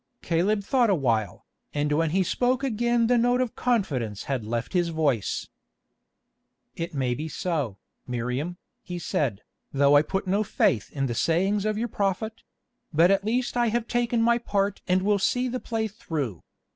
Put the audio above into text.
Caleb thought a while, and when he spoke again the note of confidence had left his voice. "It may be so, Miriam," he said, "though I put no faith in the sayings of your prophet; but at least I have taken my part and will see the play through.